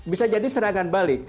bisa jadi serangan balik